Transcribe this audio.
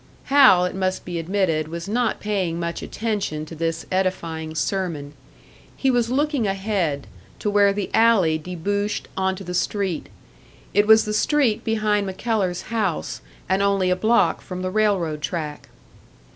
Hal, it must be admitted, was not paying much attention to this edifying sermon. He was looking ahead, to where the alley debouched onto the street. It was the street behind MacKellar's house, and only a block from the railroad track.